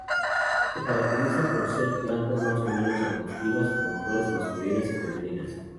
Se caracterizan por ser plantas más o menos arbustivas, con flores masculinas y femeninas.